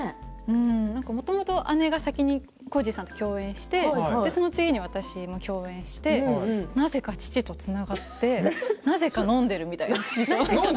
もともと姉が先に耕史さんと共演してその次に私が共演してなぜか父とつながってなぜか飲んでいる。